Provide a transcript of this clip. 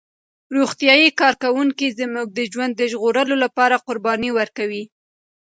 روغتیايي کارکوونکي زموږ د ژوند د ژغورلو لپاره قرباني ورکوي.